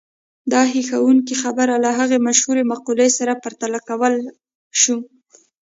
دا هيښوونکې خبره له هغې مشهورې مقولې سره پرتله کولای شو.